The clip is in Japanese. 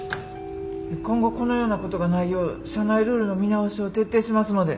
今後このようなことがないよう社内ルールの見直しを徹底しますので。